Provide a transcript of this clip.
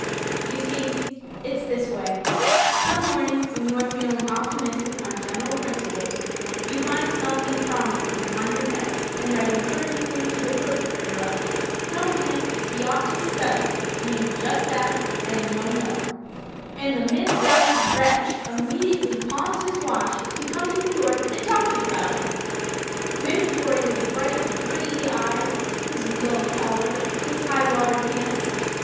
You see, it's this way: Some morning when you are feeling optimistic on general principles, you find something promising on your desk, and write encouragingly to the perpetrator of it, telling him he ought to study — ^meaning just that and no more. [ 234 ] Digitized by LjOOQ IC E. Holbrookes Patience And the misguided wretch immediately pawns his watch to come to New York and talk to you about it. You inventory his bright, greedy eyes, his low collar, his high water pants.